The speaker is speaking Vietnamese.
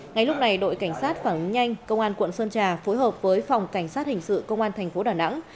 ngay lúc này đội cảnh sát phản ứng nhanh công an quận sơn trà phối hợp với phòng cảnh sát hình sự công an thành phố đà nẵng